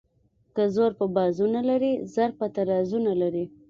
که زور په بازو نه لري زر په ترازو نه لري.